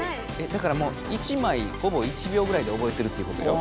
だからもう１枚ほぼ１秒ぐらいで覚えてるっていうことよ。